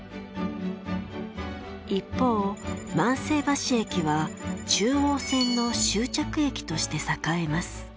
一方万世橋駅は中央線の終着駅として栄えます。